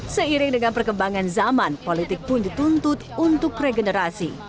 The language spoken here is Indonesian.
seiring dengan perkembangan zaman politik pun dituntut untuk regenerasi